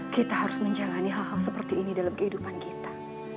kita harus menjalani hal hal seperti ini dalam kehidupan kita